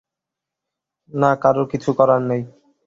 না, কারোর কিছু করার নেই।